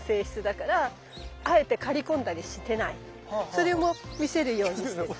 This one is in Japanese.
それも見せるようにしてる。